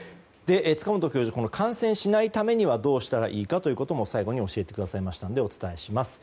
塚本教授、感染しないためにはどうしたらいいかということも最後に教えてくださいましたのでお伝えします。